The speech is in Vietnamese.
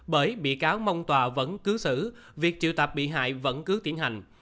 bởi bị cáo mong tòa vẫn cứ xử việc triệu tập bị hại vẫn cứ tiến hành